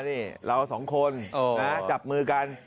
นี่เรา๒คนจับมือกัน